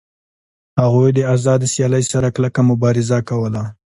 هغوی د آزادې سیالۍ سره کلکه مبارزه کوله